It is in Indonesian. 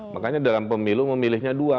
makanya dalam pemilu memilihnya dua